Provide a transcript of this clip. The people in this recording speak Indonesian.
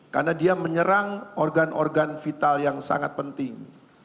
karena dia menyerang organ organ vital yang sangat penting